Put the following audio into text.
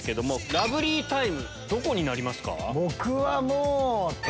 ラブリータイムどこになりますか？